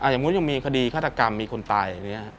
อย่างนั้นยังมีคดีฆาตกรรมมีคนตายอย่างนี้